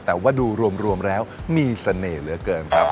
แต่ว่าดูรวมแล้วมีเสน่ห์เหลือเกินครับ